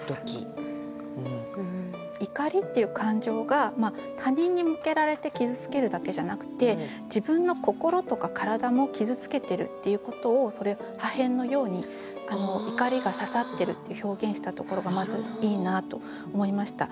怒りっていう感情が他人に向けられて傷つけるだけじゃなくて自分の心とか体も傷つけてるっていうことを破片のように怒りが刺さってるって表現したところがまずいいなと思いました。